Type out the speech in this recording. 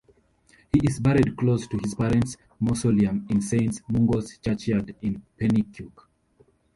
He is buried close to his parents' mausoleum in Saint Mungo's Churchyard in Penicuik.